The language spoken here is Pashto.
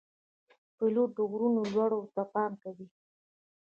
پیلوټ د غرونو لوړو ته پام کوي.